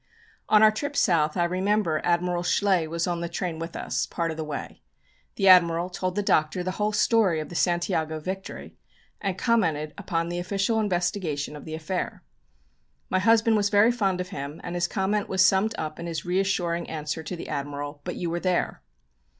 On our trip South I remember Admiral Schley was on the train with us part of the way. The Admiral told the Doctor the whole story of the Santiago victory, and commented upon the official investigation of the affair. My husband was very fond of him, and his comment was summed up in his reassuring answer to the Admiral "But you were there."